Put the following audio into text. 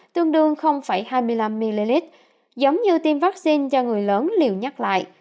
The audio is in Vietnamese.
tương đương hai mươi năm ml giống như tiêm vaccine do người lớn liều nhắc lại